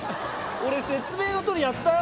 俺説明のとおりやったよ。